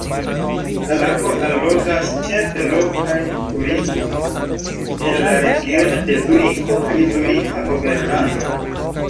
La lago allogas ĉefe lokajn turistojn el la regiono de Zuriko kaj Zurika Oberlando.